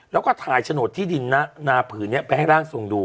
แล้วก็ถ่ายมาสู่ดินนะนาผินนี้ให้ร่างส่งดู